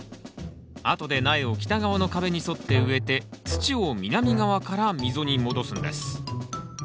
あとで苗を北側の壁に沿って植えて土を南側から溝に戻すんです